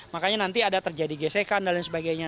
makanya nanti ada terjadi gesekan dan lain sebagainya